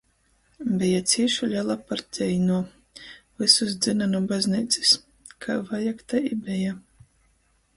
Beja cīši lela partejnuo, vysus dzyna nu bazneicys. Kai vajag, tai i beja.